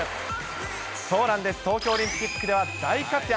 そうなんです、東京オリンピックでは、大活躍。